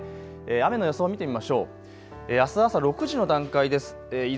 雨の予想を見てみましょう。